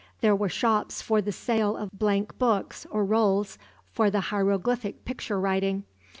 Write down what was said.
There were shops for the sale of blank books, or rolls, for the hieroglyphic picture writing.